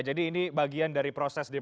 jadi ini bagian dari proses